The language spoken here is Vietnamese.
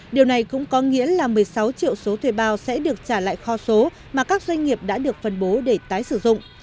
điều này cũng có nghĩa là một mươi sáu triệu số thuê bao sẽ được trả lại kho số mà các doanh nghiệp đã được phân bố để tái sử dụng